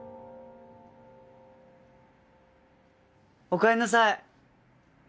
おかえりなさい！